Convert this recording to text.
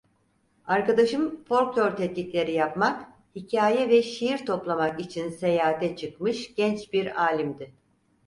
Arkadaşım folklor tetkikleri yapmak, hikaye ve şiir toplamak için seyahate çıkmış genç bir alimdi.